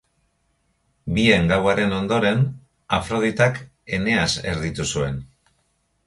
Bien gauaren ondoren, Afroditak Eneas erditu zuen.